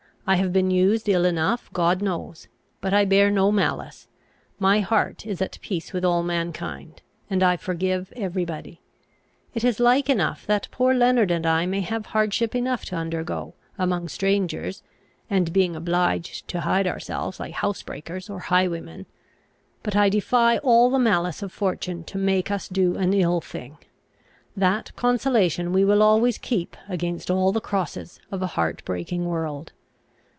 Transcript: I have been used ill enough, God knows. But I bear no malice; my heart is at peace with all mankind; and I forgive every body. It is like enough that poor Leonard and I may have hardship enough to undergo, among strangers, and being obliged to hide ourselves like housebreakers or highwaymen. But I defy all the malice of fortune to make us do an ill thing. That consolation we will always keep against all the crosses of a heart breaking world.